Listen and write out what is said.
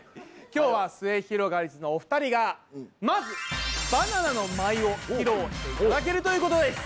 今日はすゑひろがりずのお二人がまずバナナの舞を披露していただけるということです。